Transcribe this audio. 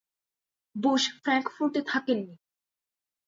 Bush ফ্রাঙ্কফুর্টে থাকেননি।